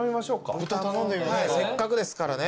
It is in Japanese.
せっかくですからね。